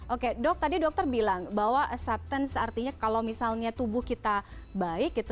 oke dok tadi dokter bilang bahwa acceptance artinya kalau misalnya tubuh kita baik gitu